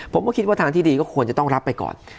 ผมก็คิดว่าทางที่ดีก็ควรจะต้องรับไปก่อน